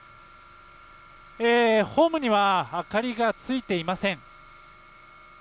ホームには明かりがついていません。